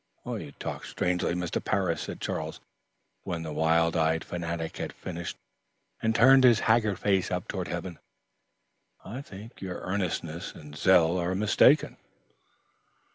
"You talk strangely, Mr. Parris," said Charles, when the wild eyed fanatic had finished and turned his haggard face up toward heaven. "I think your earnestness and zeal are mistaken."